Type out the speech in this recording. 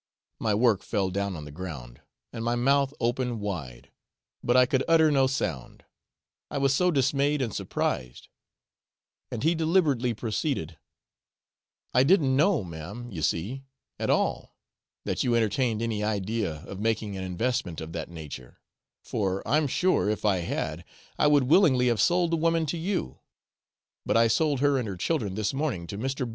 My work fell down on the ground, and my mouth opened wide, but I could utter no sound, I was so dismayed and surprised; and he deliberately proceeded: 'I didn't know, ma'am, you see, at all, that you entertained any idea of making an investment of that nature; for I'm sure, if I had, I would willingly have sold the woman to you; but I sold her and her children this morning to Mr.